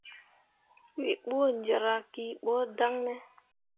Wǝǝ ɓo jerra ki ɓo dan ne ?